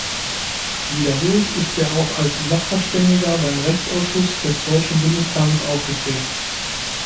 Wiederholt ist er auch als Sachverständiger beim Rechtsausschuss des Deutschen Bundestages aufgetreten.